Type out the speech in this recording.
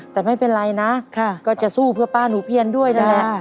แต่ไม่เป็นไรนะก็จะสู้เพื่อป้าหนูเพียนด้วยนั่นแหละ